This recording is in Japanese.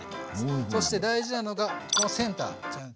そして大事なのがこのセンター。